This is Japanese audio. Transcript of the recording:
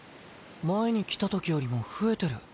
前に来たときよりも増えてる。